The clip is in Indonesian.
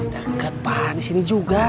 deket pak di sini juga